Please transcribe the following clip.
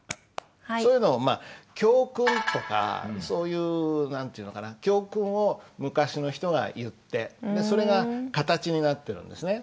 そういうのをまあ教訓とかそういう何て言うのかな教訓を昔の人が言ってそれが形になってるんですね。